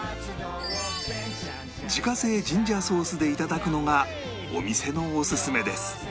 自家製ジンジャーソースで頂くのがお店のおすすめです